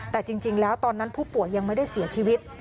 แต่จริงแล้วตอนนั้นผู้ป่วยยังไม่ได้เสียชีวิต